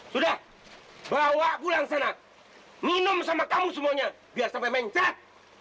sudah bawa pulang sanak minum sama kamu semuanya biar sampai mencat